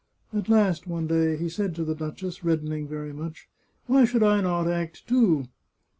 At last, one day, he said to the duchess, reddening very much, " Why should I not act, too?"